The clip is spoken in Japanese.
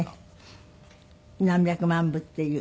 何百万部っていう。